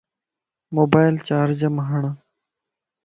موبائل چارج مَ ھڙ